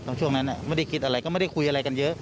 ช่วงนั้นไม่ได้คิดอะไรก็ไม่ได้คุยอะไรกันเยอะ